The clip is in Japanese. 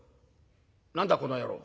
「何だこの野郎。